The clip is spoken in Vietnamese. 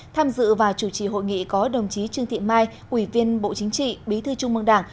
tham dự và chủ trì hội nghị có đồng chí trương thị mai ủy viên bộ chính trị bí thư trung mương đảng